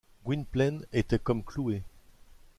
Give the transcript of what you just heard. Gwynplaine était comme cloué.